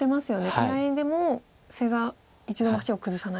手合でも正座一度も足を崩さない。